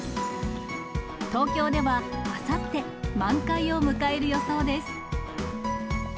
東京ではあさって満開を迎える予想です。